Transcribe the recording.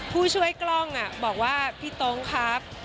ผู้ช่วยกล้องบอกว่าพี่โต๊งครับ